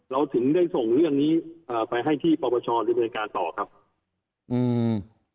เราถึงได้ส่งเรื่องนี้เอ่อไปให้ที่ปปชดำเนินการต่อครับอืม